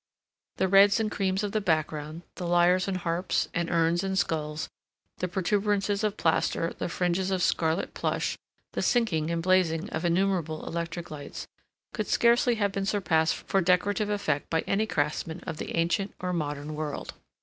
The reds and creams of the background, the lyres and harps and urns and skulls, the protuberances of plaster, the fringes of scarlet plush, the sinking and blazing of innumerable electric lights, could scarcely have been surpassed for decorative effect by any craftsman of the ancient or modern world.